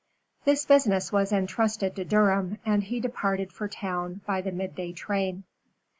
This business was entrusted to Durham, and he departed for town by the mid day train.